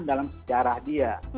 dalam sejarah dia